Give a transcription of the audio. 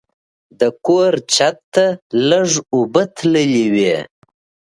د کور چت ته لږ اوبه تللې وې.